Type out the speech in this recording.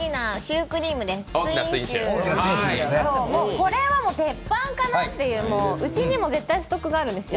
これはテッパンかなって、うちにもストックがあるんですよ。